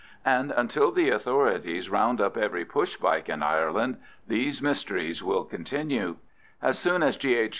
And until the authorities round up every push bike in Ireland, these mysteries will continue. As soon as G.